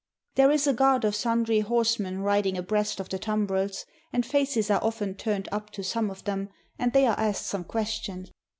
There is a guard of sundry horsemen riding abreast of the tumbrels, and faces are often turned up to some of them and they are asked some question.